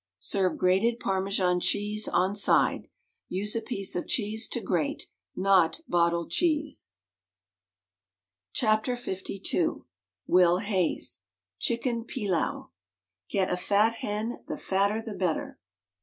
Serve grated Parmesan cheese on side. Use a piece of cheese to grate, not bottled cheese. WRITTEN FOR MEN BY MEN ui Will Hays CHICKEN PILAU "Get a fat hen — the fatter the better."